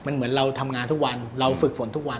มันเหมือนเราทำงานทุกวันเราฝึกฝนทุกวัน